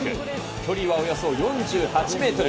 距離はおよそ４８メートル。